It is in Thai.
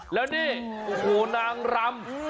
แล้วนี่โอ้โหนางรำ